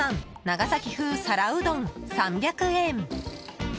長崎風皿うどん、３００円。